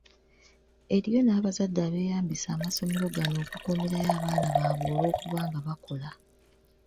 Eriyo n’abazadde abeeyambisa amasomero gano okukuumirayo abaana baabwe olw’okuba nga bakola.